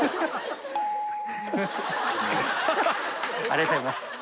ありがとうございます。